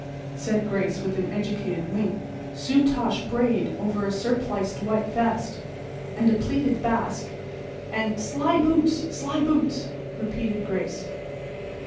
said Grace with an educated wink. "—soutache braid over a surpliced white vest; and a plaited basque and—" "Sly boots—sly boots!" repeated Grace.